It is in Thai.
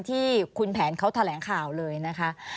ที่คุณแผนเขาแถลงข่าวเลยนะคะ